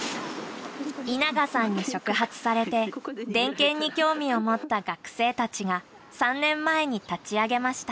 稲賀さんに触発されてデンケンに興味を持った学生たちが３年前に立ち上げました。